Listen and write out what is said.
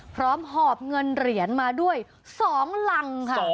หอบเงินเหรียญมาด้วย๒รังค่ะ